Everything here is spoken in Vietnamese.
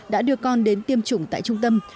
đã đưa con đến tiêm chủng tại trung tâm